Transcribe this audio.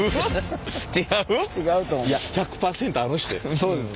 そうですか？